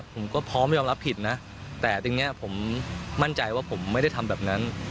ผมก็พร้อมยอมรับผิดนะแต่ทีนี้ผมมั่นใจว่าผมไม่ได้ทำแบบนั้น